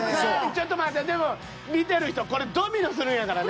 ちょっと待ってよでも見てる人これドミノするんやからね。